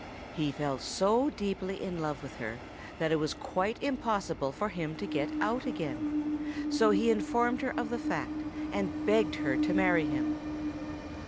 He fell so deeply in love with her that it was quite impossible for him to get out again; so he informed her of the fact, and begged her to marry him.